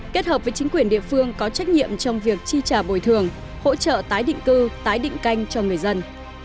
kết hợp với chính quyền địa phương có trách nhiệm trong việc chi trả bồi thường hỗ trợ tái định cư tái định canh cho người dân